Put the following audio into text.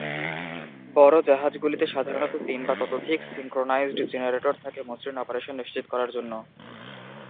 বড় জাহাজগুলিতে সাধারণত তিন বা ততোধিক সিঙ্ক্রোনাইজড জেনারেটর থাকে মসৃণ অপারেশন নিশ্চিত করার জন্য।